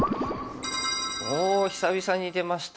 お久々に出ました